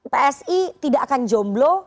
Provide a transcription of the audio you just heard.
psi tidak akan jomblo